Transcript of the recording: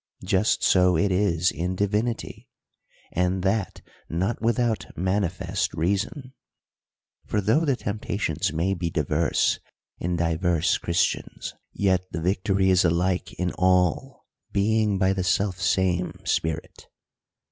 Just so it is in divinity ; and that not with out manifest reason. For though the temptations may be diverse in divei s Christians, yet the victory is alike in all, being by the selfsame Spirit.